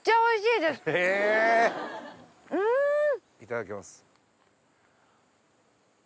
いただきます。